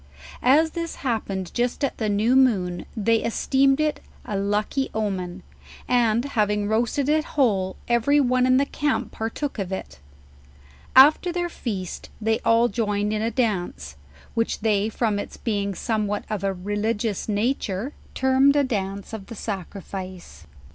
As this happened just at the new moon, they esteemed it a lucky omen; and having roasted it whole, every one in the camp partook of it* After their feast, they all joined in a dance, which they from ite being somewhat of a religious nature, termed a dance of the sacrifice.